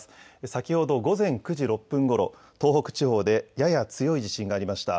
先ほど午前９時６分ごろ、東北地方でやや強い地震がありました。